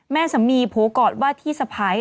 แม่สมีโพลกอดว่าที่สะไพร